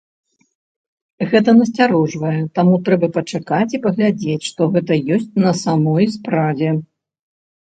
Гэта насцярожвае, таму трэба пачакаць і паглядзець, што гэта ёсць на самой справе.